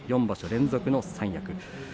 ４場所連続の三役。